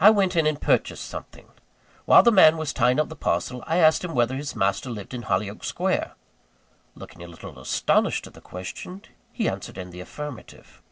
I went in and purchased something. While the man was tying up the parcel, I asked him whether his master lived in Hollyoake Square. Looking a little astonished at the question, he answered in the affirmative.